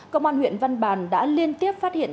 công an huyện văn bàn đã liên tiếp phát hiện